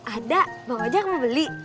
ada bawa aja aku mau beli